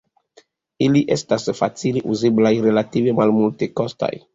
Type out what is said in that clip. Ili estas facile uzeblaj, relative malmultekostaj.